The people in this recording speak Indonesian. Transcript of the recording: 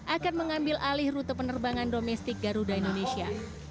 akan mengambil alih rute penerbangan domestik garuda indonesia